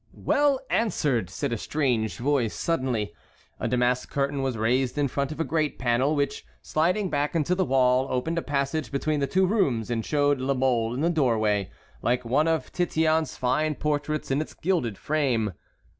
"Well answered!" said a strange voice suddenly. A damask curtain was raised in front of a great panel, which, sliding back into the wall, opened a passage between the two rooms, and showed La Mole in the doorway, like one of Titian's fine portraits in its gilded frame.